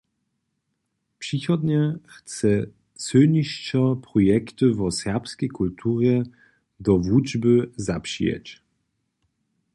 Přichodnje chce sylnišo projekty wo serbskej kulturje do wučby zapřijeć.